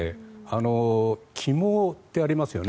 起毛ってありますよね。